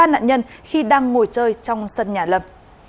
ba nạn nhân khi đang ngồi chơi trong sân nhà lâm